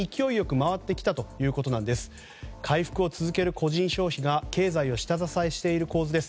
回復を続ける個人消費が経済を下支えしている構図です。